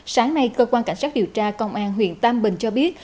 sáng nay cơ quan cảnh sát điều tra công an huyện tam bình cho biết